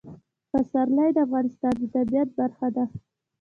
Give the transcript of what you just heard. پسرلی د افغانستان د طبیعت برخه ده.